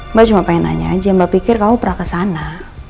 mbak cuma pengen nanya aja mbak pikir kamu pernah kesana